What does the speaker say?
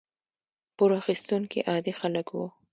پور اخیستونکي عادي خلک وو.